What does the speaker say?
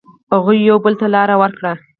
هغوی یو بل ته لاره ورکړه.